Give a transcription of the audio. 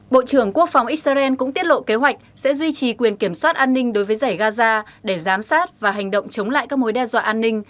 bộ trưởng quốc phòng israel cũng tiết lộ kế hoạch sẽ duy trì quyền kiểm soát an ninh đối với giải gaza để giám sát và hành động chống lại các mối đe dọa an ninh